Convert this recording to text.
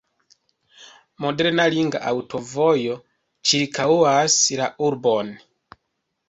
Moderna ringa aŭtovojo ĉirkaŭas la urbon.